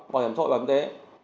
bảo hiểm thu hội bảo hiểm thế